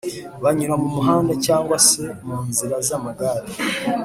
banyura mumuhanda cg se munzira z’amagare